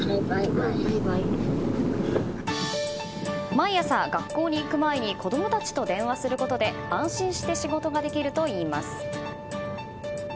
毎朝、学校に行く前に子供たちと電話することで安心して仕事ができるといいます。